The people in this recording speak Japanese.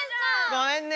ごめんね。